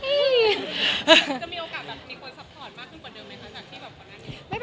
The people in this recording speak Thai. จะมีโอกาสมีคนซัพพอร์ทพูมมากขึ้นมากกว่านึงไหมคะ